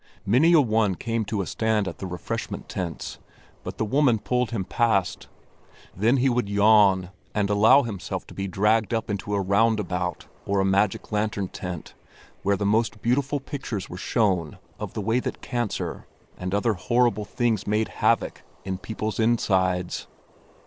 Many a one came to a stand at the refreshment tents, but the woman pulled him past; then he would yawn and allow himself to be dragged up into a roundabout or a magic lantern tent where the most beautiful pictures were shown of the way that cancer and other horrible things made havoc in people's insides.